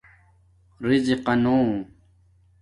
رزِقانو